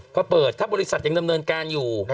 พอเปิดถ้าบริษัทยังดำเนินการอยู่